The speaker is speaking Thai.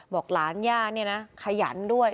บอกหลานย่าเนี่ยนะขยันด้วย